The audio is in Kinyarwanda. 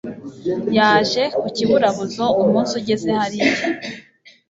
Yaje ku kiburabuzo, Umunsi ugeze hariya :